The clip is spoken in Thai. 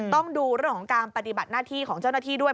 ต้องดูเรื่องของการปฏิบัติหน้าที่ของเจ้าหน้าที่ด้วย